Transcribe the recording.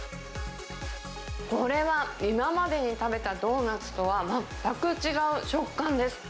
これは今までに食べたドーナツとは全く違う食感です。